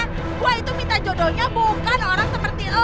gue itu minta jodohnya bukan orang seperti lo